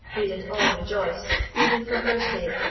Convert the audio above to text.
We did all rejoice, Even for her sake.